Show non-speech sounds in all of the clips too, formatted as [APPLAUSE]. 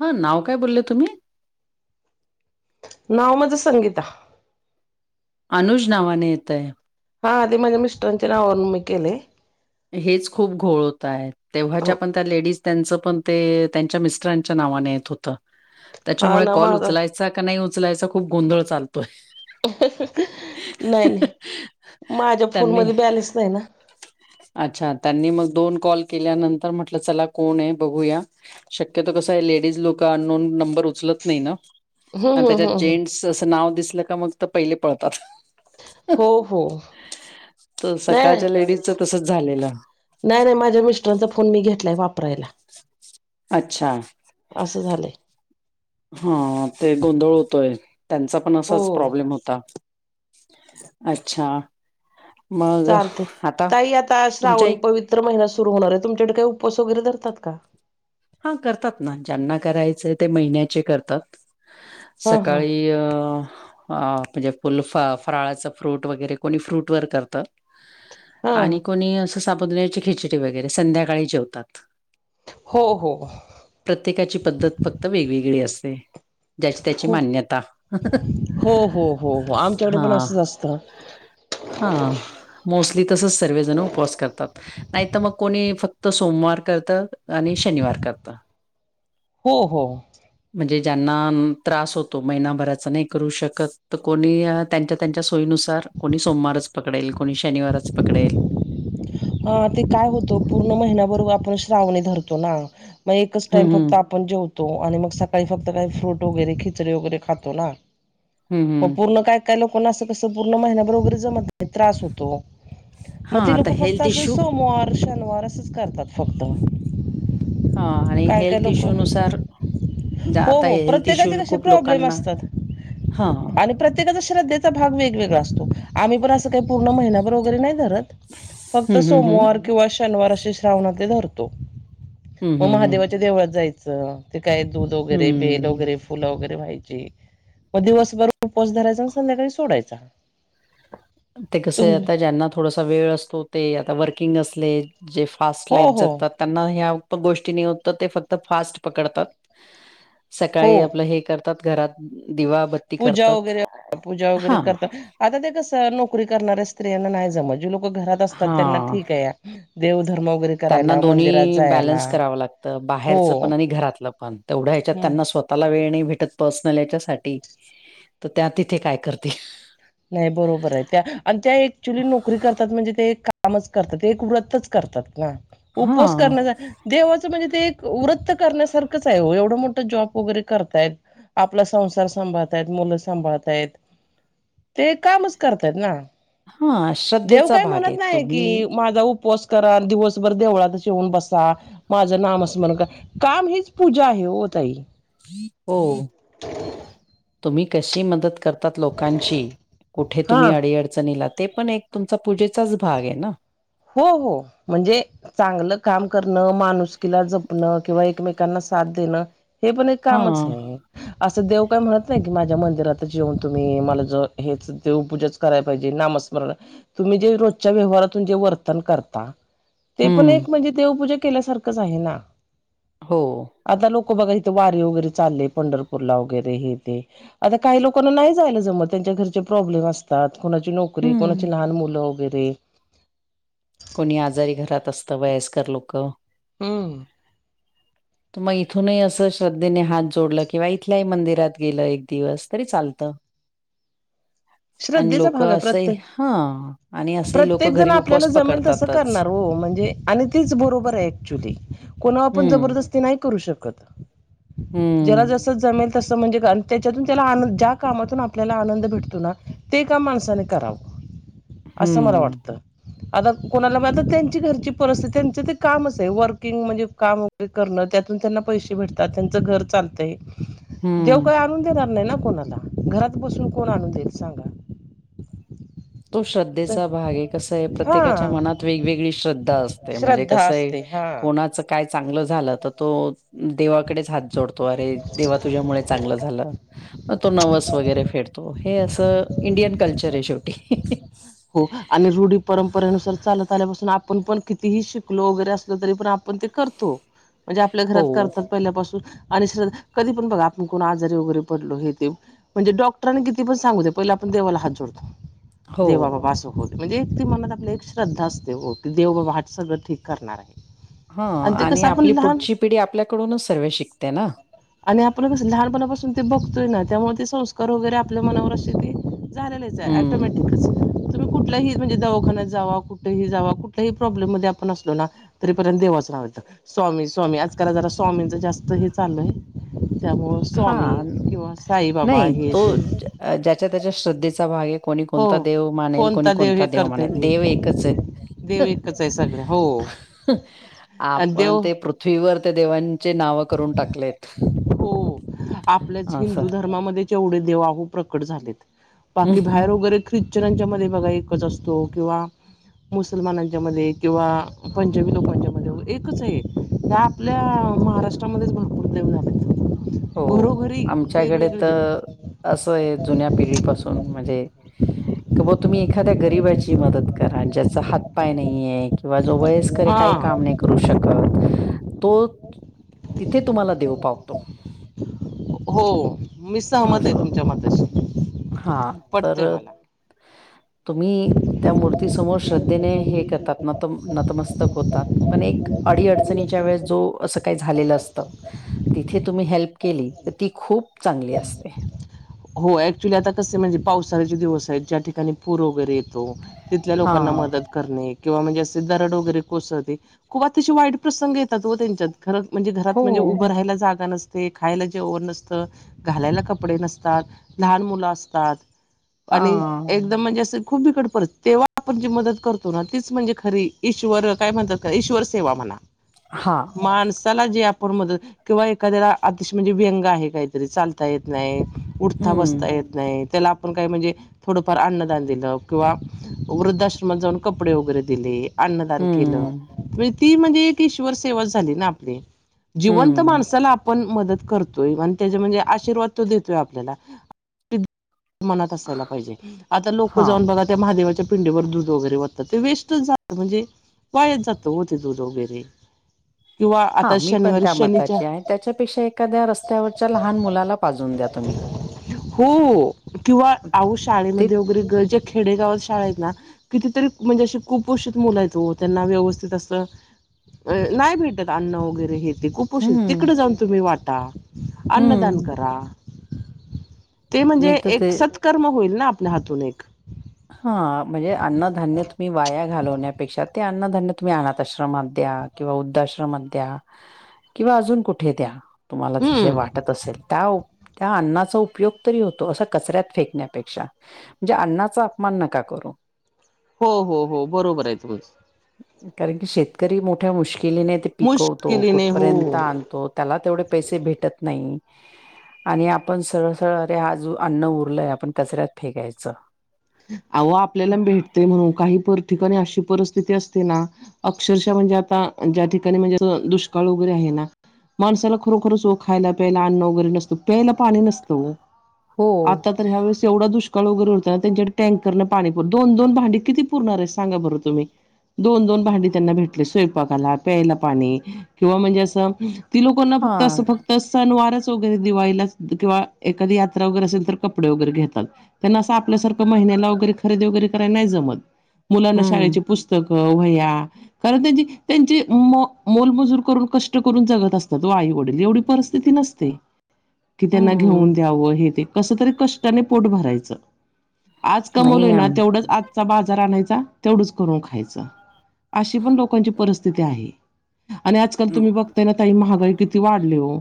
हा नाव काय बोलले तुम्ही. नाव माझं संगीता. अनुज नावाने येत आहे. हा आधी माझ्या मिस्टरांचे नावावरून मी केले. हेच खूप घोळ होत आहे हो तेव्हाच्या पण त्या लेडीज, त्यां पण त्यांच्या मिरच्या ना हो हा त्याच्यामुळे ना काल माझा उचलायचा का नाही उचलायचा खूप गोंधळ चालतोय. नाही नाही माझ्या त्यांनी फोनमध्ये बॅलेन्स नाही ना, अच्छा त्यांनी मग दोन कॉल केल्यानंतर म्हटलं चला कोण आहे बघूया. शक्यतो कसं आहे लेडीज लोक अननोन नंबर उचलत नाही ना, हम्म आणि हम्म त्याच्यात हम्म जेंट्स असं नाव दिसलं का मग तर पहिले पळतात. हो हो तर नाही सकाळच्या लेडीजच तसच झालेलं. नाही नाही माझ्या मिस्टरांचा फोन मी घेतलाय वापरायला. अच्छा असं झालंय हा ते गोंधळ होतोय त्यांचा पण हो असाच प्रॉब्लेम होता. अच्छा मग चालतय आता ताई आता तुमच्या श्रावण एक पवित्र महिना सुरू होणार आहे तुमच्याकडे काही उपवास वगैरे धरतात का हा करतात ना ज्यांना करायचं ते महिन्याचे करतात हा हा सकाळी अ अ म्हणजे फुल फ फराळाच फ्रूट वगैरे कोणी फ्रूट वर करतं. हा आणि कोणी असं साबुदाण्याची खिचडी वगैरे संध्याकाळी जेवतात. हो हो प्रत्येकाची पद्धत फक्त वेगवेगळी असते ज्याची त्याची हो मान्यता. हो हो हो हो आमच्याकडे पण असच असतं हा मोस्टली तसंच सर्वजण उपवास करतात नाहीतर मग कोणी फक्त सोमवार करत. आणि शनिवार करतात. हो हो म्हणजे ज्यांना त्रास होतो महिनाभराचा नाही करू शकत तर कोणी. त्यांच्या त्यांच्या सोयीनुसार कोणी सोमवारच पकडेल कोणी शनिवारच पकडेल हा ते काय होतो पूर्ण महिन्याबरोबर आपण श्रावणी धरतो ना मग एकच हं, टाइम फक्त हं. आपण. आपण जेवतो आणि मग सकाळी फक्त काही फ्रूट वगैरे खिचडे वगैरे खातो ना. हं, मग हं. पूर्ण काय काय लोकांना असं कसं पूर्ण महिन्या भर जमत त्रास होतो. हा आता हे अस सोमवार शनिवार असंच करतात फक्त हा आणि काय काय हेल्थ लोक इश्यूनुसार ज्या आता हो हेल्थ इश्यू प्रत्येकाचे कसै खूप प्रॉब्लेम लोकांना असतात हां. आणि प्रत्य प्रत्येकाचा श्रद्धेचा भाग वेगवेगळा असतो आम्ही पणं अस काही पूर्ण महिनाभर वगैरे नाही धरत फक्त हं, हं, हं. सोमवार किंवा शनिवार असे श्रावणात धरतो हं, मग हं, हं. महादेवा च्या देवळात जायचं ते काय दूध वगैरे बेल हं. वगैरे फुलं वगैरे व्हायची मग दिवसभर उपवास धरायचा आणि संध्याकाळी सोडायचा. ते कस तुम आता ज्यांना थोडासा वेळ असतो ते आता वर्किंग असले जे फास्ट हो लाईफ हो जगतात त्यांना ह्या गोष्टी न होत ते फक्त फास्ट पकडतात हो सकाळी आपलं हे करतात घरात दिवा बत्ती पूजा करतात वगैरे पूजा वगैरे हां. करतात आता ते कसं नोकरी करणाऱ्या स्त्रियांना नाही जमत जे लोक घरात असतात त्यांना हा ठीक आहे. देव धर्म वगैरे. त्यांना करायला मंदिरात दोन्ही जायला बॅलन्स करावं लागतं हो बाहेरचं पण आणि घरातलं पण तेवढ्या ह्याच्यात हम्म त्यांना स्वतः ताला वेळ नाही भेटत पर्सनल याच्या साठी तर त्या तिथे काय करतील नाही बरोबर आहे त्या आणि त्या अँक्च्युली नोकरी करतात म्हणजे ते कामच करतात एक व्रतच करतात ना उपवास हा करणचा देवाचं म्हणजे ते एक वृत्त करण्यासारखंच आहे हो एवढं मोठं जॉब वगैरे करतायत. आपला संसार सांभाळतायत मुलं सांभाळताय आहेत ते कामच करतायत ना हा देव श्रद्धेचा काही भाग म्हणत आहे नाही कि तुम्ही माझा उपवास करा दिवसभर देवळातच येऊन बसा माझं नाम स्मरण करा काम हीच पूजा आहे ओ ताई हो हो [UNINTELLIGIBLE] [INAUDIBLE] तुम्ही कशी मदत करतात लोकांची कुठे तुम्ही हा अडी अडचणीला ते पण एक तुमचा पूजेचाच भाग आहे ना हो हो म्हणजे चांगलं काम करणं माणुसकीला जपणं किंवा एकमेकांना साथ देणं हे पण एक कामच हां. आहे असं देव काय म्हणत नाही की माझ्या मंदिरातच येऊन तुम्ही मला ज हेच देव पूजाच कराय पाहिजे नामस्मरण तुम्ही जे रोजच्या व्यवहारातून जे वर - ते पण हं. एक म्हणजे देवपूजा केल्यासारखच आहे ना हो आता लोक बघा इथे वारीे वगैरे चालले पंढरपूरला वगैरे हे तेे आता काही लोकांना नाही जायलं जमत त्यांच्या घरचे प्रॉब्लेम असतात कोणाची नोक करी हं. कोणाची लहान मुलं वगैरे कोणी आजारी घरात असता वयस्कर लोक हम् मग इथूनही असं श्रद्धेने हात जोडलं किंवा इथल्याही मंदिरात गेलं एक दिवस तरी चालतं आणि श्रद्धेचा लोकं भाग आहे असंही हां. आणि प्रत्येक असेही प्रत्येक लोकं जण घरी आपल्याला उपवास जमेल तसं पकडतातच. करणार ओ म्हणजे आणि तीच बरोबर आहे ऍक्च्युली कोणा आपण हं. जबरदस्ती नाही करू शकत ज्याला हं. जस जमेल तस म्हणजे क अ त्याच्यातून त्याला ज्या कामातून आपल्याला आनंद भेटतो ना ते काम माणसाने करावं असं मला हं. वाटतं आता कोणाला आता त्यांची घरची परिस्थिती त्यांच ते कामच आहे वर्किंग म्हणजे काम करण त्यातून त्यांना पैसे भेटतात त्यांचं घर चालतंय हं. देव काय आणून देणार नाही ना कोणाला घरात बसून कोण आणून देईल सांगा. तो ज- श्रद्धेचा भाग आहे कस आहे प्रत्येकाच्या हा मनात वेगवेगळी श्रद्धा असते म्हणजे श्रद्धा कसंय असते हा कोणाचं काय चांगलं झालं तर तो देवाकडेच हात जोडतो अरे देवा तुझ्यामुळे चांगलं झालं मग तो नवस वगैरे फेडतो हे असं इंडियन कल्चर आहे शेवटी. हो आणि रूढी परंपरेनुसार चालत आल्यापासून आपण पण कितीही शिकलो वगैरे असल तरी पण आप पण ते करतो म्हणजे आपल्या घरात हो, करतात पहिल्यापासून आणि श्रद्ध कधी पण बघा आपण कोण आजारी वगैरे पडलो हे ते म्हणजे डॉक्टरांनी कितीपण सांगूदे पहिले आपण देवाला हात जोडतो. हो. देव बाबा असं होत म्हणजे एक ती मनात आपली एक श्रद्धा असते हो की देव बाबा हा सगळं ठीक करणार आहे. हा ते आणि कसं आपण आपली लहान पुढची पिढी आपल्याकडूनच सगळ शिकते ना. आणि आपण कस लहानपणापासून ते बघतोय ना त्यामुळे ते संस्कार वगैरे आपल्या मनावर असे ते झालेलंच आहे हं. ॲटोमॅटिक च तुम्ही कुठल्याही म्हणजे दवाखान्यात जावा कुठेही जावा कुठल्याही प्रॉब्लेम मध्ये आपण असलो ना तरीपर्यंत देवाचं नावं येत स्वामी स्वामी आजकाल जरा स्वामींचं जास्त हे चाललय त्यामुळ स्वामी हां. किंवा साई बाबा हे ते अ ज्याच्या त्याच्या श्रद्धेचा भाग आहे कोणी कोणता हो देव मानेल कोणी कोणता हे देव करता येत मानेल नाही देव एकचय देव एकच आहे सगळे हो [UNINTELLIGIBLE] आणि आपण देव ते पृथ् - - -थ्वीवर त्या देवांचे नाव करून टाकलेत. हो आपल्याच असं. हिंदू धर्मामध्ये जेवढे देव आओ प्रकट झालेत बाकी बाहेर वगैरे ख्रिश्चनांच्यामध्ये बघा एकच असतो किंवा मुसलमानांच्या मध्ये किंवा पंजाबी लोकांच्यामध्ये एकच आहे ह आपल्या महाराष्ट्रामध्येच भरपूर देव झालेत हो घरोघरी आमच्याकडे वेगवेगळे तर देव. असं आहे जुन्या पिढीपासून म्हणजे क बा तुम्ही एखाद्या गरीबाची मदत करा ज्याचा हातपाय नाहीय. किंवा जो वयस्करये हा काही काम नाही करू शकत तो तिथे तुम्हाला देव पावतो. हो मी सहमत आहे तुमच्या मताशी. हा तर पटतंय [INAUDIBLE] तुम्ही त्या मूर्तीसमोर श्रद्धेने हे करतात नत नतमस्तक होतात पण एक अडी अडचणीच्या वेळेस जो असं काही झालेलं असतं तिथे तुम्ही हेल्प केली तर ती खूप चांगली असते हो ऍक्च्युली आता कसे म्हणजे पावसाळ्याचे दिवस आहेत ज्या ठिकाणी पूर वगैरे येतो तिथल्या हा. लोकांना मदत करने किंवा म्हणजे असे दरड वगैरे कोसळते खूप अतिशय वाईट प्रसंग येतात त्यांच्यात खरंच म्हणजे घरात हो. म्हणजे उभं राहायला जागा नसते खायला जेवन नसतं घालायला कपडे नसतात लहान मुलं असतात आणि हा. एकदम म्हणजे असं खूप बिकट परी तेव्हा आपण जी मदत करतो ना तीच म्हणजे खरी ईश्वर काय म्हणतात ईश्वर सेवा म्हणा हां माणसाला जे आपण मदत किंवा एखाद्याला अतिशय म्हणजे व्यंग आहे काय तरी चालता येत नाही, उठता, हम्म. बसता येत नाही त्याला आपण काय म्हणजे थोडंफार अन्नदान दिलं किंवा वृद्धाश्रमात जाऊन कपडे वगैरे दिले अन्नदान केलं हम्म. म्हणजे ती म्हणजे एक ईश्वर सेवा झाली ना आपली जिवंत हम्म. माणसाला आपण मदत करतोय आणि त्याच्या म्हणजे आशीर्वाद तो देतोय आपल्याला मनात असायला पाहिजे आता लोक हा. जाऊन बघा त्या महादेवाच्या पिंडेवर दुध वगैरे वतात ते वेस्टच जा म्हणजे वायाच जात ओ ते दूध वगैरे किंवा हा आता मी पण शनिवारी त्या शनीच्या मताची आहे त्याच्यापेक्षा एखाद्या रस्त्यावरच्या लहान मुलाला पाजवून द्या तुम्ही हो किंवा आहो ते शाळेमध्ये वगैरे गर् ज्या खेडेगावात शाळा आहेत ना कितीतरी म्हणजे असे कुपोषित मुल आहेत ओ त्यांना व्यवस्थित असं अ नाही भेटत अन्न वगैरे हे ते कुपुशी हम्म. तिकडे जाऊन तुम्ही वाटा अन्नदान हम्म. करा ते म्हणजे मी तर एक ते सत्कर्म होईल ना आपल्या हातून एक हा म्हणजे अन्नधान्य तुम्ही वाया घालवण्यापेक्षा ते अन्नधान्य तुम्ही अनाथ आश्रमात द्या किंवा वृद्धाआश्रमात द्या किंवा अजून कुठे द्या तुम्हाला जसे हम्म वाट असेल त्या त्या अन्नाचा उपयोग तरी होतो असं कचऱ्यात फेकण्यापेक्षा म्हणजे अण्णाचा अपमान नका करू हो, हो, हो बरोबर आहे कारण की शेतकरी मोठ्या मुश्किलीने ते पिकवतो मुश्किलीने कुठपर्यंत हो आण त त्याला तेवढे पैसे भेटत नाही आणि आपण सरळ, सरळ अरे अन्न उरलंय आपण कचऱ्यात फेकायचं अव आपल्याला भेटते म्हणून काही ठिकाणी अशी परिस्थिती असते ना अक्षरशः म्हणजे आता ज्या ठिकाणी म्हणजे दुष्काळ वगैरे आहे ना माणसाला खरोखरच ओ खायला प्यायला अन्न वगैरे नसतं प्यायला पाणी नसतं ओ हो आता तर ह्या वेळेस एवढा दुष्काळ वगैरे होत ना त्यांच्या टँकर न पाणी पुर दोन दोन भांडी किती पुरणार आहे सांगा बरं तुम्ही दोन, दोन भांडे त्यांना भेटले स्वयंपाकाला प्यायला पाणी किंवा म्हणजे असं ती लोक ना हा फक्त असं फक्त तर सनवारच वगैरे दिवाळीला किंवा एखादी यात्रा वगैरे असेल तर कपडे वगैरे घेतात त्यांना असं आपल्यासारखं महिन्याला वगैरे खरेदी वगैरे कराय नाही जमत मुलांना हम्म शाळेचे पुस्त अ व्हया कारण त्यांची, त्यांची मो मोलमजूर करून कष्ट करून जगत असतात तो आई वडील एवढी पर स्थिती नसते की त्यांना हम्म घेऊन द्यावं हे ते कस तरी कष्टाने पोट भरायचं आज कमवलंय नाही ना आम- तेवढंच आजचा बाजार आणायचा तेवढंच करून खायचं अशी पण लोकांची परिस्थिती आहे आणि आजकाल तुम्ही बघताय ना ताई महागाई किती वाढली ओ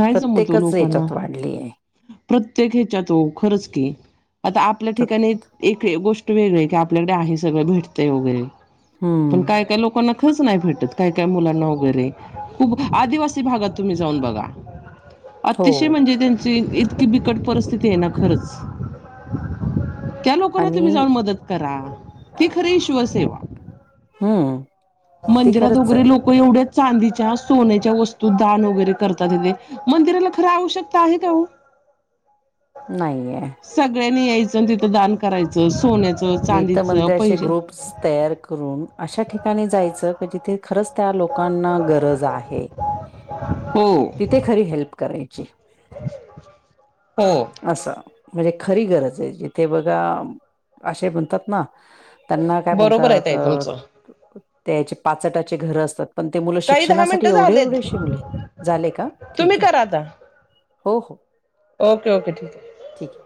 नाही जमत ओ प्रत्येकच लोकांना याच्यात वाढली आहे प्रत्येक ह्याच्यातो खरंच की आता आपल्या तर ठिकाणी एक गोष्ट वेगळी आहे की आपल्याकडे आहे सगळं भेटतंय वगैरे पण हम्म काय, काय लोकांना खच नाही भेटत काय काय मुलांना वगैरे खूप आदिवासी भागात तुम्ही जाऊन बघा. हो अतिशय म्हणजे त्यांची इतकी बिकट परिस्थिती आहे ना खरंच. त्या लोकांना आणि तुम्ही जाऊन मदत करा तेी खर श्वसेवा, हम् मंदिरात वगैरे लोक एवढ्या चांदीच्या सोन्याच्या वस्तू दान वगैरे करतात तेथे मंदिराला खरं आवश्यकता आहे का हो नाही आहे. सगळ्यांनी यायचं तिथं दान करायचं सोन्याचं मी तर चांदीचं म्हणते असे पैलं, ग्रुप्स तयार करून अशा ठिकाणी जायचं क जिथे खरंच. त्या लोकांना गरज आहे. हो तिथे खरी हेल्प करायची. होम असं म्हणजे खरी गरज आहे जिथे बघा. असे म्हणतात ना त्यांना काय बरोबर आहे म्हणतात. ताई तुमचं त्याचे पाचटाचे घरं असतात. पण ते मुलं ताई दहा शिक्षणासाठी मिनिटं एवढे झालेत एवढेशी मुले झाले का तुम्ही ठीक आहे. करा आता हो हो ओके ओके ठीक आहे. ठीक आहे